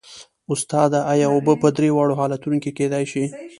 استاده ایا اوبه په درې واړو حالتونو کې کیدای شي